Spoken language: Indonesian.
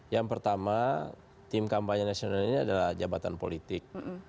yang pertama tim kampanye nasional ini adalah jabatan politik